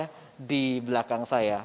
yang sudah disaksikan di sebelah kanan saya